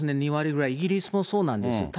２割ぐらい、イギリスもそうなんです。